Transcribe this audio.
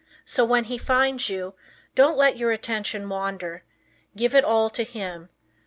So when he finds you, don't let your attention wander. Give it all to him.